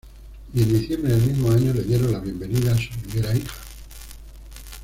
Y en diciembre del mismo año le dieron la bienvenida a su primera hija.